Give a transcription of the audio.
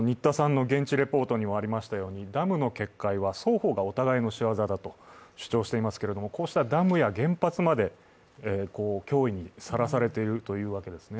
新田さんの現地リポートにもありましたように、ダムの決壊は双方の仕業だとお互い主張していますが、こうしたダムや原発まで脅威にさらされているというわけですね。